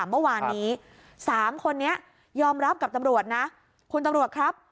เมื่อวานนี้๓คนนี้ยอมรับกับตำรวจนะคุณตำรวจครับ